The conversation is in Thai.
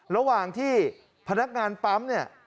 ระหว่างที่พนักงานปั๊มเนี่ย